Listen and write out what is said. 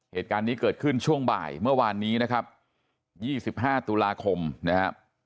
เหตุการณ์นี้เกิดขึ้นช่วงบ่ายเมื่อวานนี้นะครับยี่สิบห้าตุลาคมนะฮะ